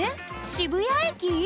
渋谷駅？